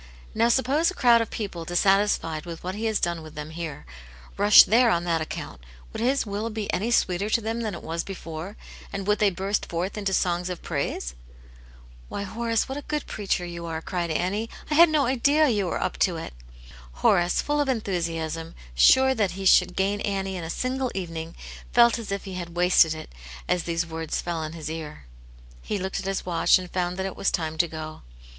Now, suppose a crowd of people dissatisfied with what H^V^^ ^^^^ ^\K^ "^^ ^ss. 202 Aunt Janets Hero. here, rush there on that account, would His will be any sweeter to them than it was before, and would they burst forth into songs of praise ?"" Why, Horace, what a good preacher you are," cried Annie. " I had no idea you were up to it." Horace, full of enthusiasm, sure that he should gain Annie in a single evening, felt as if he had wasted it as these words fell on his ear. He looked at his watch, and found that it was time to go.